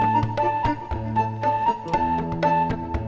kang bagia sama ijwita kemana